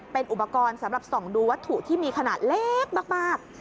เป็นอุปกรณ์สำหรับส่องดูวัตถุที่มีขนาดเล็กมาก